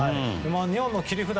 日本の切り札。